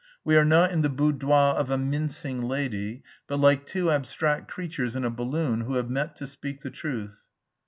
We are not in the boudoir of a mincing lady, but like two abstract creatures in a balloon who have met to speak the truth."